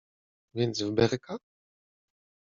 Więc w berka?